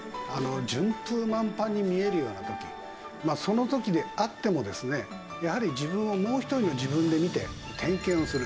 順風満帆に見えるような時その時であってもですねやはり自分をもう一人の自分で見て点検をする。